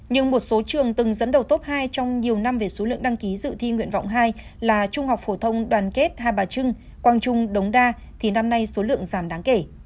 nhưng một số trường từng dẫn đầu top hai trong nhiều năm về số lượng đăng ký dự thi nguyện vọng hai là trung học phổ thông đoàn kết hai bà trưng quang trung đống đa thì năm nay số lượng giảm đáng kể